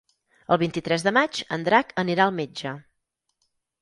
El vint-i-tres de maig en Drac anirà al metge.